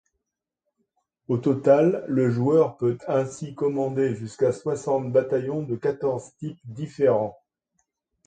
Au total, le joueur peut ainsi commander jusqu’à soixante bataillons de quatorze types différents.